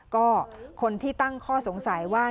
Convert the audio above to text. ก็คนที่ตั้งข้อสงสัยว่า